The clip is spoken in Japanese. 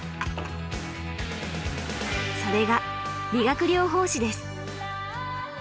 それが理学療法士です。